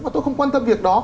mà tôi không quan tâm việc đó